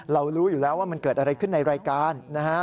รู้อยู่แล้วว่ามันเกิดอะไรขึ้นในรายการนะฮะ